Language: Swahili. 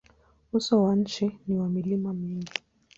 Uso wa nchi ni wa milima mingi.